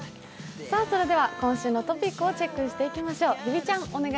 今週のトピックをチェックしていきましょう。